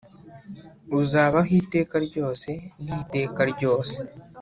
uzabaho iteka ryose n'iteka ryose